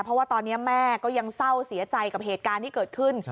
เพราะว่าตอนนี้แม่ก็ยังเศร้าเสียใจกับเหตุการณ์ที่เกิดขึ้น